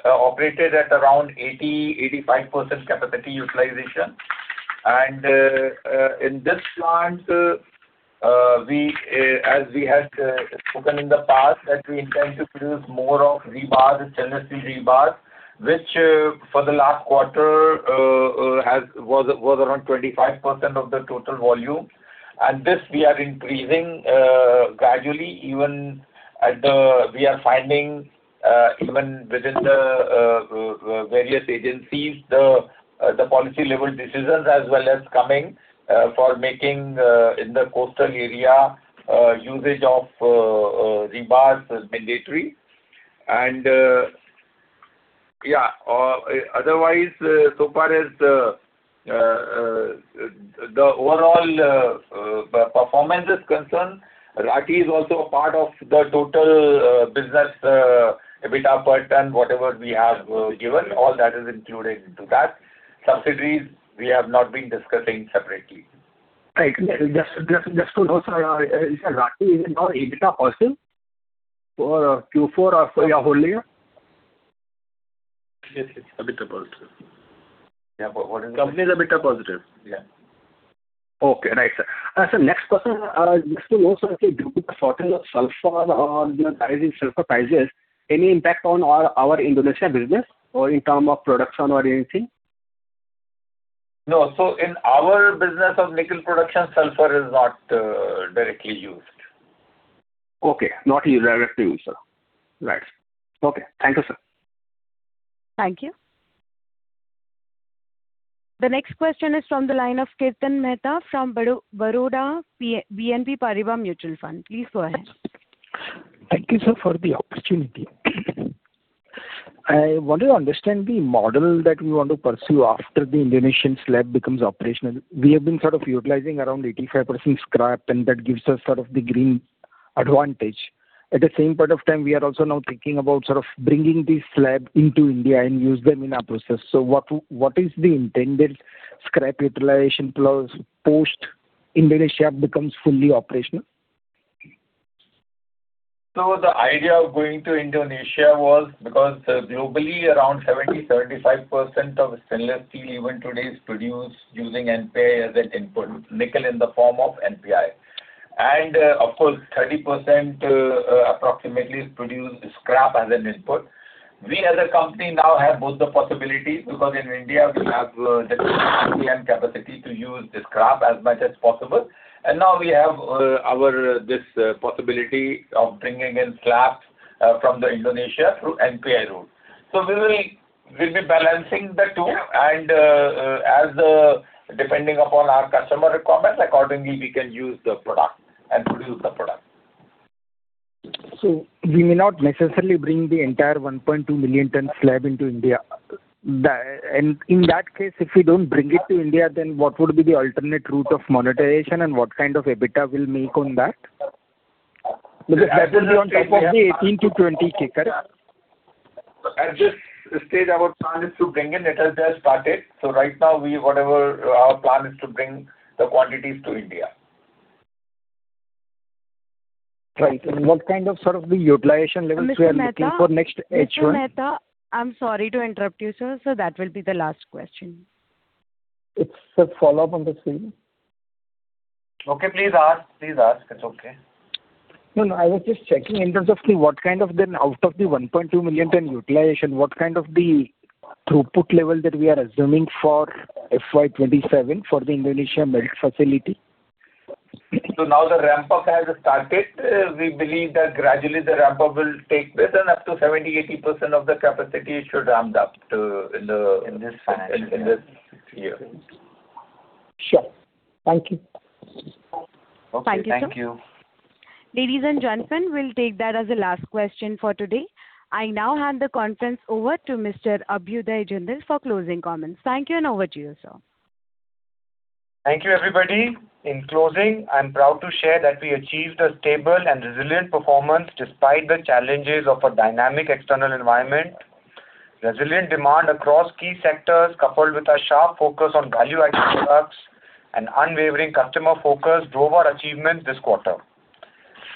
operated at around 80%-85% capacity utilization. In this plant, we, as we had spoken in the past that we intend to produce more of rebar, the stainless steel rebar, which for the last quarter, was around 25% of the total volume. This we are increasing gradually, We are finding even within the various agencies, the policy level decisions as well as coming for making in the coastal area, usage of rebars as mandatory. Otherwise, so far as the overall performance is concerned, Rathi is also a part of the total business EBITDA per ton, whatever we have given. All that is included into that. Subsidiaries, we have not been discussing separately. Right. Just to know, sir, is Rathi now EBITDA positive for Q4 or for your whole year? Yes, EBITDA positive. Company is a bit of positive, yeah. Okay, right, sir. Next question, just to know, sir, due to the shortage of sulfur or the rise in sulfur prices, any impact on our Indonesia business or in terms of production or anything? No. In our business of nickel production, sulfur is not directly used. Okay. Not used directly, sir. Right. Okay. Thank you, sir. Thank you. The next question is from the line of Kirtan Mehta from Baroda BNP Paribas Mutual Fund. Please go ahead. Thank you, sir, for the opportunity. I wanted to understand the model that we want to pursue after the Indonesian slab becomes operational. We have been utilizing around 85% scrap, and that gives us the green advantage. At the same point of time, we are also now thinking about bringing the slab into India and use them in our process. What is the intended scrap utilization plus post Indonesia becomes fully operational? The idea of going to Indonesia was because globally around 70, 35% of stainless steel even today is produced using NPI as an input, nickel in the form of NPI. Of course, 30% approximately is produced scrap as an input. We as a company now have both the possibilities because in India we have the technology and capacity to use the scrap as much as possible. Now we have our this possibility of bringing in slabs from Indonesia through NPI route. We'll be balancing the two and as depending upon our customer requirements, accordingly, we can use the product and produce the product. We may not necessarily bring the entire 1.2 million ton slab into India. In that case, if we don't bring it to India, what would be the alternate route of monetization and what kind of EBITDA we'll make on that? Because that will be on top of the 18-20, correct? At this stage, our plan is to bring in. It has just started. Right now, whatever our plan is to bring the quantities to India. Right. What kind of sort of the utilization levels we are looking for next H1? Mr. Mehta, I'm sorry to interrupt you, sir. That will be the last question. It's a follow-up on the same. Okay, please ask. Please ask. It is okay. No, no, I was just checking in terms of the what kind of then out of the 1.2 million tons utilization, what kind of the throughput level that we are assuming for FY 2027 for the Indonesia melt facility? Now the ramp up has started. We believe that gradually the ramp up will take place and up to 70%-80% of the capacity should ramp up. In this financial year. In this year. Sure. Thank you. Thank you, sir. Okay. Thank you. Ladies and gentlemen, we'll take that as the last question for today. I now hand the conference over to Mr. Abhyuday Jindal for closing comments. Thank you and over to you, sir. Thank you everybody. In closing, I am proud to share that we achieved a stable and resilient performance despite the challenges of a dynamic external environment. Resilient demand across key sectors, coupled with a sharp focus on value-added products and unwavering customer focus drove our achievements this quarter.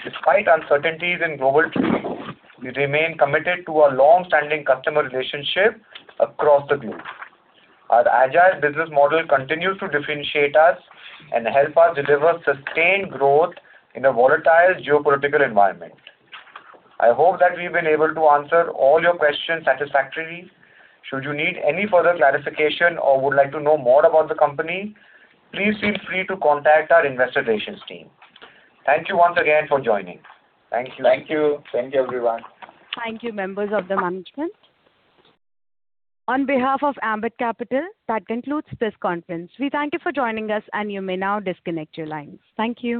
Despite uncertainties in global trading, we remain committed to our long-standing customer relationship across the globe. Our agile business model continues to differentiate us and help us deliver sustained growth in a volatile geopolitical environment. I hope that we have been able to answer all your questions satisfactorily. Should you need any further clarification or would like to know more about the company, please feel free to contact our investor relations team. Thank you once again for joining. Thank you. Thank you. Thank you, everyone. Thank you, members of the management. On behalf of Ambit Capital, that concludes this conference. We thank you for joining us, and you may now disconnect your lines. Thank you.